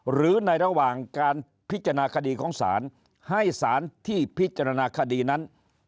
หรือในระหว่างการพิจารณาคดีของศาลให้สารที่พิจารณาคดีนั้น